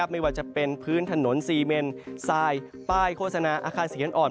ไม่ว่าจะเป็นพื้นถนนซีเมนทรายป้ายโฆษณาอาคารเสียงอ่อน